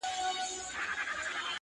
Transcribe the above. جهاني زما په قسمت نه وو دا ساعت لیکلی-